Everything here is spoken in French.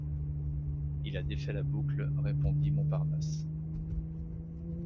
Il a défait la boucle, répondit Montparnasse.